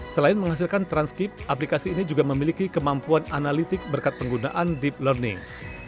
selain menghasilkan transkip aplikasi ini juga memiliki kemampuan analitik berkat penggunaan deep learning